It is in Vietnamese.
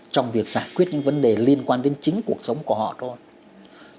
trong việc giải quyết những vấn đề liên quan đến chính cuộc sống của họ thôi